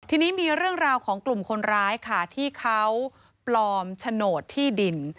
ทีนี้มีเรื่องราวของกลุ่มคนร้ายค่ะที่เขาปลอมโฉนดที่ดิน